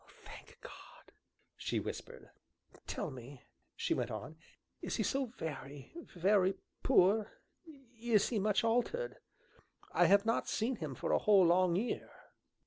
"Thank God!" she whispered. "Tell me," she went on, "is he so very, very poor is he much altered? I have not seen him for a whole, long year."